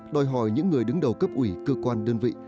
đòi hỏi những người đứng đầu cấp ủy cơ quan đơn vị